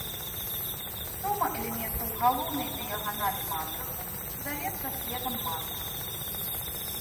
Сума элементаў галоўнай дыяганалі матрыцы завецца следам матрыцы.